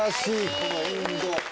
このエンド。